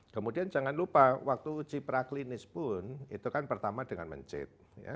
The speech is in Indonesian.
kemudian jangan lupa waktu uji praklinis pun itu kan pertama dengan mencit